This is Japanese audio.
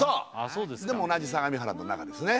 そうでも同じ相模原の中ですね